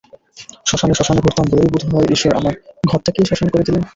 শ্মশানে-শ্মশানে ঘুরতাম বলেই বোধহয় ঈশ্বর আমার ঘরটাকেই শ্মশান করে দিলেন।